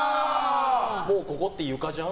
もうここって床じゃん？